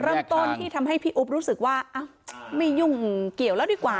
เริ่มต้นที่ทำให้พี่อุ๊บรู้สึกว่าไม่ยุ่งเกี่ยวแล้วดีกว่า